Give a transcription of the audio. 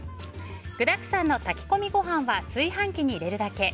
具だくさんの炊き込みご飯は炊飯器に入れるだけ。